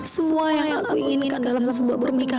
semua yang aku inginkan dalam sebuah pernikahan